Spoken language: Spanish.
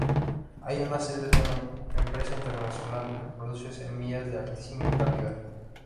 Hay una sede de una empresa internacional que produce semillas de altísima calidad.